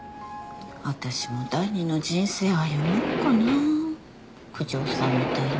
私も第二の人生歩もっかな九条さんみたいに。